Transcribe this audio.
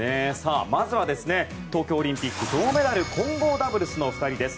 まずは東京オリンピック銅メダル混合ダブルスのお二人です。